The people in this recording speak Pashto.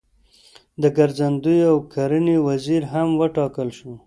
د ګرځندوی او کرنې وزیر هم وټاکل شول.